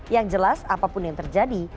yang jelas apapun yang terjadi